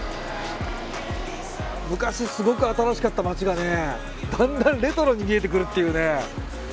昔すごく新しかった街がねだんだんレトロに見えてくるっていうね。